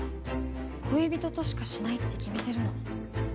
恋人としかしないって決めてるの。